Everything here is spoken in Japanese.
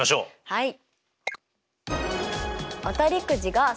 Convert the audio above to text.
はい。